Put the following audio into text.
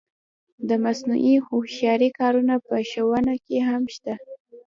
د مصنوعي هوښیارۍ کارونه په ښوونه کې هم شته.